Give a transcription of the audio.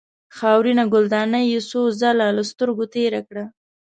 خاورینه ګلدانۍ یې څو ځله له سترګو تېره کړه.